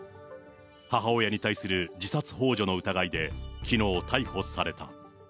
母親に対する自殺ほう助の疑いで、きのう逮捕された。